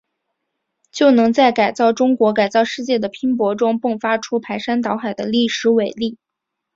就能在改造中国、改造世界的拼搏中，迸发出排山倒海的历史伟力。